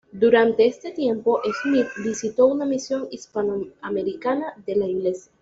Durante este tiempo Smith visitó una misión Hispano-Americana de la Iglesia.